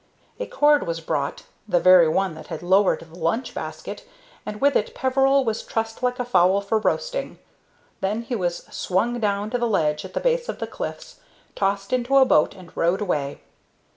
A cord was brought, the very one that had lowered the lunch basket, and with it Peveril was trussed like a fowl for roasting. Then he was swung down to the ledge at the base of the cliffs, tossed into a boat, and rowed away.